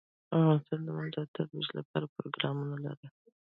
افغانستان د منی د ترویج لپاره پروګرامونه لري.